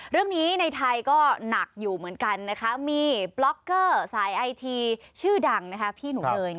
ในไทยก็หนักอยู่เหมือนกันนะคะมีบล็อกเกอร์สายไอทีชื่อดังพี่หนูเนย